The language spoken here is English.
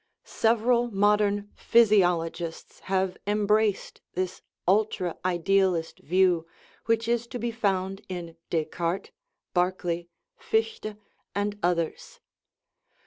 Several modern physiologists have em braced this ultra idealist view, which is to be found in Descartes, Berkeley, Fichte, and others.